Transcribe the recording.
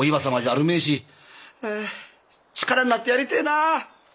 あ力になってやりてえな。